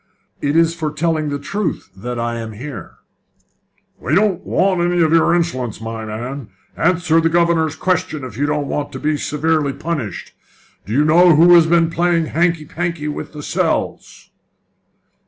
It is for telling the truth that I am here." "We don't want any of your insolence, my man! Answer the governor's question if you don't want to be severely punished. Do you know who has been playing hanky panky with the cells?"